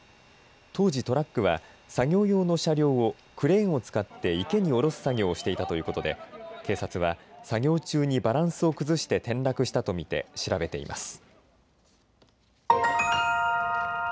当時、トラックは作業用の車両をクレーンを使って池に降ろす作業をしていたということで警察は作業中にバランスを崩して転落したと見て調べています。